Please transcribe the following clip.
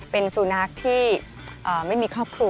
เป็นสุนัขที่ไม่มีครอบครัว